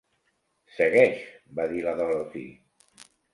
"Segueix", va dir la Dorothy.